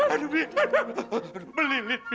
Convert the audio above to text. aduh mi beli li pi